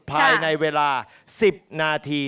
ภายในเวลา๑๐นาที